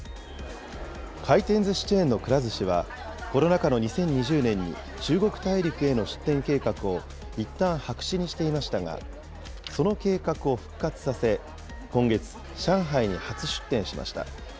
回転ずしチェーンのくら寿司は、コロナ禍の２０２０年に、中国大陸への出店計画をいったん白紙にしていましたが、その計画を復活させ、今月、上海に初出店しました。